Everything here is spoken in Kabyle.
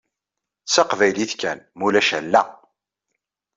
D taqbaylit kan mulac ala!